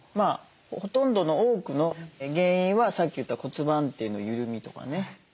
ほとんどの多くの原因はさっき言った骨盤底の緩みとかね。